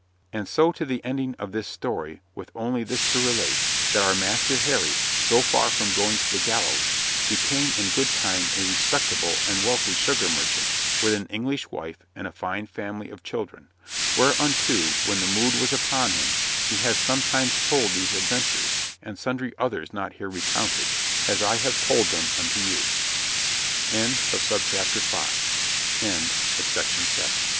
And so to the ending of this story, with only this to relate, that our Master Harry, so far from going to the gallows, became in good time a respectable and wealthy sugar merchant with an English wife and a fine family of children, whereunto, when the mood was upon him, he has sometimes told these adventures (and sundry others not here recounted), as I have told them unto you. Chapter IV TOM CHIST AND THE